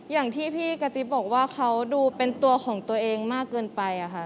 อย่างที่พี่กะติ๊บบอกว่าเขาดูเป็นตัวของตัวเองมากเกินไปค่ะ